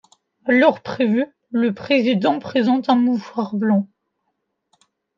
À l’heure prévue, le président présente un mouchoir blanc.